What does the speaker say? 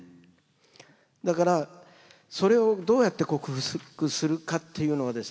だからそれをどうやって克服するかっていうのをですね